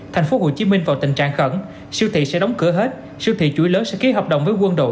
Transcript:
tp hcm vào tình trạng khẩn siêu thị sẽ đóng cửa hết siêu thị chuỗi lớn sẽ ký hợp đồng với quân đội